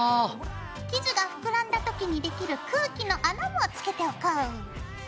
生地が膨らんだ時にできる空気の穴もつけておこう。